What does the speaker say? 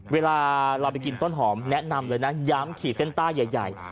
เวลาเราไปกินต้นหอมแนะนำเลยนะย้ำขีดเส้นใต้ใหญ่